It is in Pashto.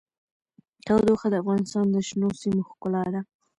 تودوخه د افغانستان د شنو سیمو ښکلا ده.